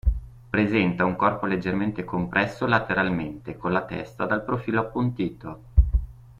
Presenta un corpo leggermente compresso lateralmente, con la testa dal profilo appuntito.